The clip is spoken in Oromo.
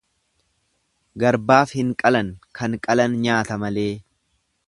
Garbaaf hin qalan, kan qalan nyaata malee.